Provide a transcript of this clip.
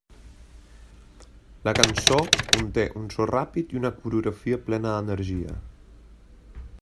La cançó conté un so ràpid i una coreografia plena d'energia.